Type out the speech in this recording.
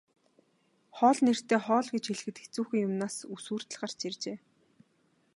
Хоол нэртэй хоол гэж хэлэхэд хэцүүхэн юмнаас нь үс хүртэл гарч иржээ.